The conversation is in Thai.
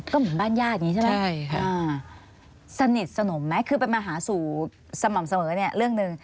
ก็เหมือนบ้านญาติอย่างนี้ใช่ไหมสนิทสนมไหมคือไปมาหาสู่สม่ำเสมอเนี่ยเรื่องหนึ่ง